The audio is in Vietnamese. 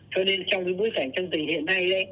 cho nên trong bối cảnh chân tình hiện nay